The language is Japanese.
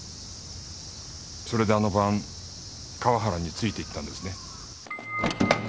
それであの晩河原についていったんですね。